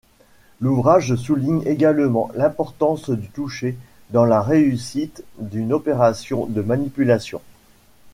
L'ouvrage souligne également l'importance du toucher dans la réussite d'une opération de manipulation.